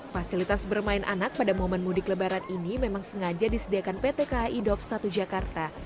fasilitas bermain anak pada momen mudik lebaran ini memang sengaja disediakan pt kai dov satu jakarta